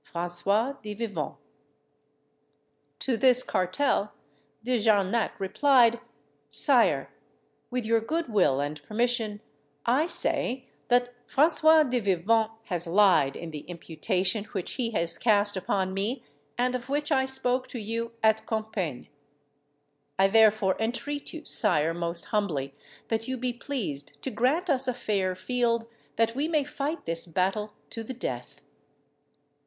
"FRANÇOIS DE VIVONNE." To this cartel De Jarnac replied: "SIRE, "With your good will and permission, I say, that François de Vivonne has lied in the imputation which he has cast upon me, and of which I spoke to you at Compiegne. I therefore entreat you, sire, most humbly, that you be pleased to grant us a fair field, that we may fight this battle to the death.